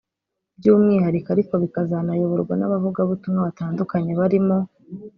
By’umwihariko ariko bikazanayoborwa n’abavugabutumwa batandukanye barimo